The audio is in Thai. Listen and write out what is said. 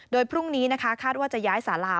โดยพรุ่งนี้คาดว่าจะย้ายศาลา